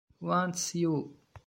Wants You!